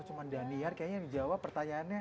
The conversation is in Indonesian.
cuma daniar kayaknya yang dijawab pertanyaannya